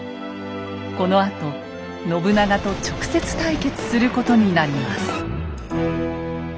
このあと信長と直接対決することになります。